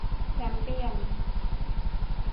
แชมเปี้ยนส์